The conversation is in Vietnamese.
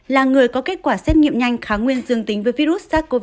là người có kết quả xét nghiệm nhanh kháng nguyên dương tính với virus sars cov hai